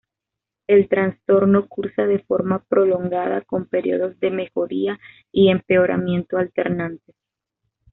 El trastorno cursa de forma prolongada con periodos de mejoría y empeoramiento alternantes.